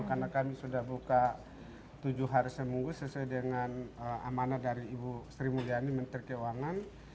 karena kami sudah buka tujuh hari semunggu sesuai dengan amanat dari ibu sri mulyani menteri keuangan